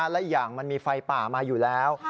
และอีกอย่างมันมีไฟป่ามาอยู่แล้ว